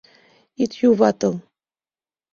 Ит юватыл.